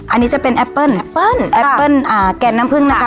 อันนี้จะเป็นแอปเปิ้ลแอปเปิ้ลแอปเปิ้ลอ่าแกนน้ำพึ่งนะคะ